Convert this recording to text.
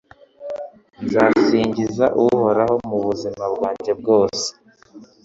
Nzasingiza Uhoraho mu buzima bwanjye bwose